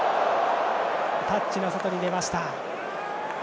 タッチの外に出ました。